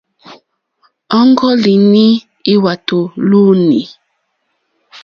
Ɔ́ŋɡɔ́línì lwàtò lúú!ní.